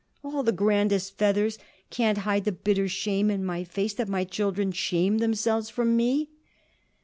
All the grandest feathers can't hide the bitter shame in my face that my children shame themselves from me."